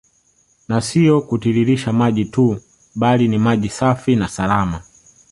Na sio kutiririsha maji tu bali ni maji safi na salama